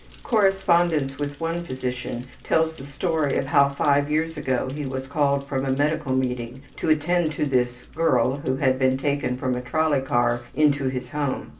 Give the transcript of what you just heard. Correspondence with one physician tells the story of how five years ago he was called from a medical meeting to attend this ``girl'' who had been taken from a trolley car into his home.